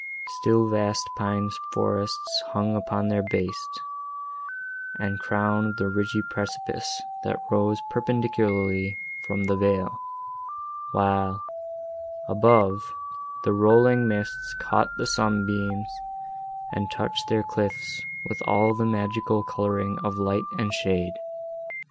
Still vast pine forests hung upon their base, and crowned the ridgy precipice, that rose perpendicularly from the vale, while, above, the rolling mists caught the sunbeams, and touched their cliffs with all the magical colouring of light and shade.